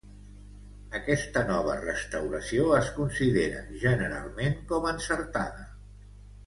Aquesta nova restauració es considera generalment com encertada.